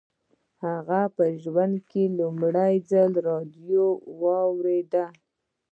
هغه په ژوند کې لومړي ځل راډیو واورېده